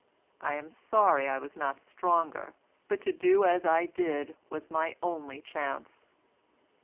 I am sorry I was not stronger, but to do as I did was my only chance."